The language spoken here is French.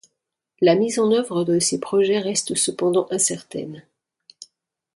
La mise en œuvre de ces projets reste cependant incertaine.